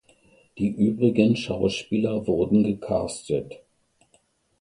Die übrigen Schauspieler wurden gecastet.